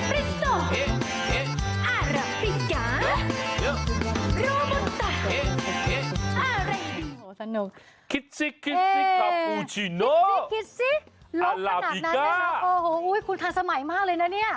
รกขนาดนั้นนะโอ้โฮคุณทันสมัยมากเลยนะเนี่ย